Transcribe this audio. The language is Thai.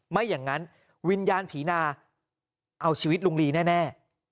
ไม่อย่างนั้นวิญญาณผีนาเอาชีวิตลุงลีแน่